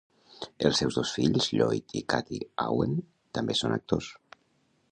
Els seus dos fills, Lloyd i Cathy Owen, també són actors.